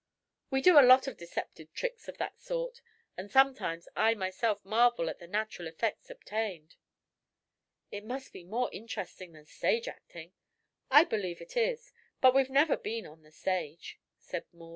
We do a lot of deceptive tricks of that sort, and sometimes I myself marvel at the natural effects obtained." "It must be more interesting than stage acting." "I believe it is. But we've never been on the stage," said Maud.